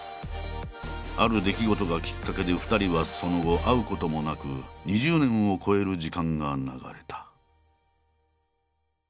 ある出来事がきっかけで２人はその後会うこともなく２０年を超える時間が流れた。